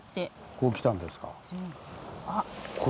こう来たんですか。